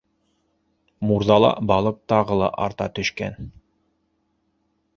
Мурҙала балыҡ тағы ла арта төшкән.